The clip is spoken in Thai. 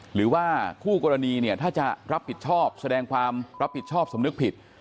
หรือว่าคู่กรณีเนี่ยถ้าจะรับผิดชอบแสดงความรับผิดชอบสำนึกผิด